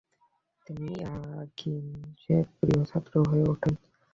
তিনি এয়াকিনসের প্রিয় ছাত্র হয়ে ওঠেন।